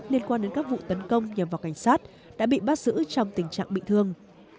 liên quan đến các vụ tấn công nhằm vào cảnh sát đã bị bắt giữ trong tình trạng bị thương